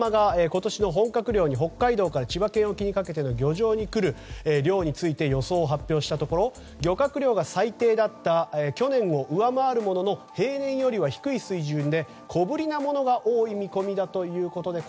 今年の本漁期が北海道から千葉県沖にかけての漁場に来る量について予想を発表したところ漁獲量が最低だった去年を上回ることから平年より低い水準で小ぶりなものが多いということです。